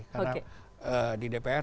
karena di dpr